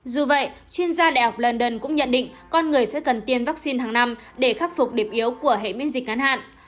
dù vậy chuyên gia đại học london cũng nhận định con người sẽ cần tiêm vaccine hàng năm để khắc phục điểm yếu của hệ miễn dịch ngắn hạn